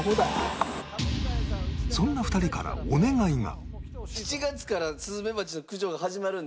そんな２人からお願いが